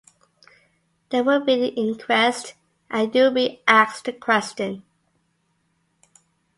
There will be an inquest, and you will be asked the question.